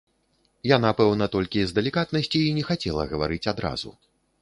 Яна пэўна толькі з далікатнасці і не хацела гаварыць адразу.